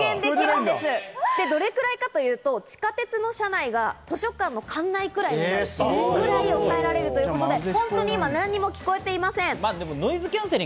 どれだけかというと地下鉄や図書館の館内くらいまで、抑えられるということで今、本当に何も聴こえていません。